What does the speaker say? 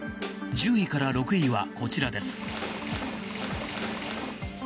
１０位から６位はこちらです。